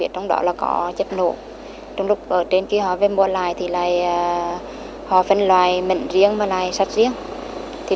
trong đó có một người bị thương nặng phải cấp cứu tại bệnh viện trung ương huế